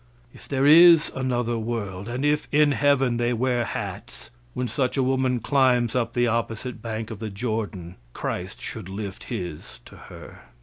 If there is another world, and if in heaven they wear hats, when such a woman climbs up the opposite bank of the Jordan, Christ should lift His to her.